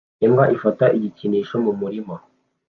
Imbwa ifata igikinisho mu murima